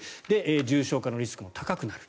重症化のリスクも高くなる。